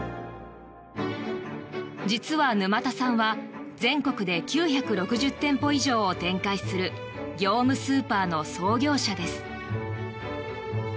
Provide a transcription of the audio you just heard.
実は沼田さんは全国で９６０店舗以上を展開する業務スーパーの創業者です。